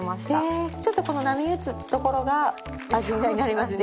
ちょっとこの波打つところが味になりますね